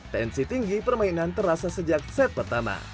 tensi tinggi permainan terasa sejak set pertama